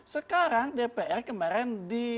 sekarang dpr kemarin